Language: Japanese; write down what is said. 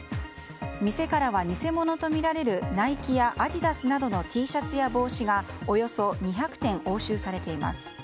店からは偽物とみられるナイキやアディダスなどのＴシャツや帽子がおよそ２００点押収されています。